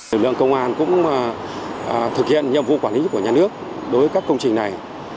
lực lượng công an cũng thực hiện nhiệm vụ quản lý của nhà nước đối với các công trình này